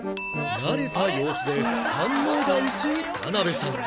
慣れた様子で反応が薄い田辺さん